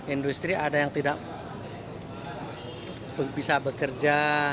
industri ada yang tidak bisa bekerja